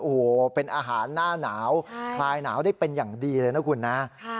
โอ้โหเป็นอาหารหน้าหนาวคลายหนาวได้เป็นอย่างดีเลยนะคุณนะ